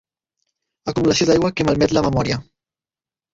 Acumulació d'aigua que malmet la memòria.